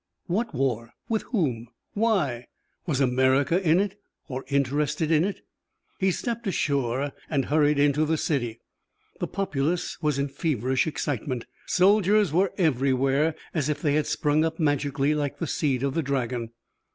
What war? With whom? Why? Was America in it, or interested in it? He stepped ashore and hurried into the city. The populace was in feverish excitement. Soldiers were everywhere, as if they had sprung up magically like the seed of the dragon.